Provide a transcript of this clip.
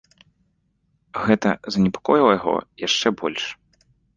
Гэта занепакоіла яго яшчэ больш.